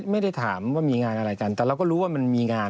ไม่ได้ถามว่ามีงานอะไรกันแต่เราก็รู้ว่ามันมีงาน